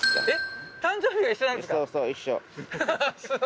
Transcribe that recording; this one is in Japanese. えっ？